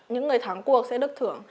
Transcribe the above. những người thắng cuộc sẽ được thưởng